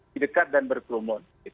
di dekat dan berkerumun